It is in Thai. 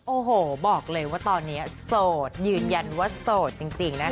โอ้โหบอกเลยว่าตอนนี้โสดยืนยันว่าโสดจริงนะคะ